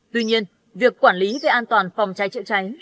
tuy nhiên việc quản lý về an toàn phòng cháy chữa cháy